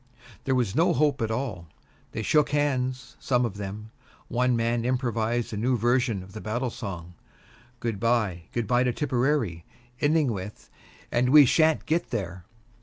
There was no hope at all. They shook hands, some of them. One man improvised a new version of the battle song, "Good by, good by to Tipperary," ending with "And we shan't get there."